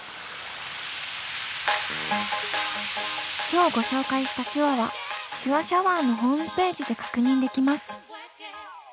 今日ご紹介した手話は「手話シャワー」のホームページで確認できます。